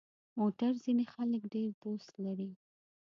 موټر ځینې خلک ډېر دوست لري.